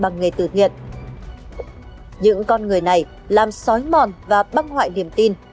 những con người này làm sói mòn và băng hoại niềm tin